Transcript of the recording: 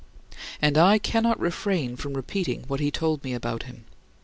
And I cannot refrain from repeating what he told me about him.